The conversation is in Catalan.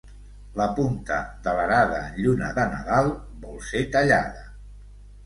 La punta de l'arada en lluna de Nadal vol ser tallada.